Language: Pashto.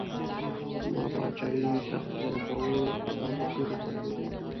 ما باچايي، تخت ورکوو، خو دا فقير وختو